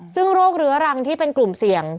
ซึ่งโรคเรื้อรังที่เป็นกลุ่มเสี่ยง